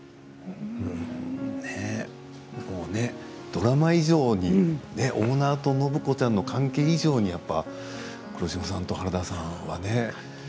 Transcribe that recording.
ドラマ以上にオーナーと暢子ちゃんの関係以上に黒島さんと原田さんはね。